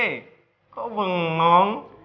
hei kok bengong